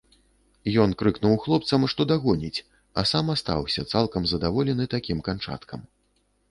Ён крыкнуў хлопцам, што дагоніць, а сам астаўся, цалкам здаволены такім канчаткам.